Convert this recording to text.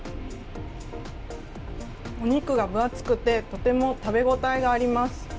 お肉が分厚くてとても食べ応えがあります。